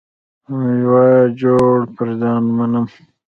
یوه جوړه پر ځان منم.